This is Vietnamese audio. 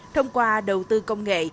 thông qua đầu tư công nghệ